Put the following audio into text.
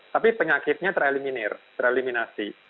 tapi penyakitnya tereliminir tereliminasi